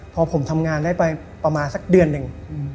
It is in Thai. พอผมทำงานได้ไปประมาณสักเดือนหนึ่ง